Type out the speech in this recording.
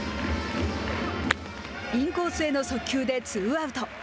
インコースへの速球でツーアウト。